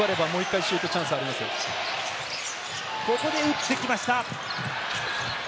ここで打ってきました。